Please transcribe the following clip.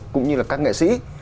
cũng như là các nghệ sĩ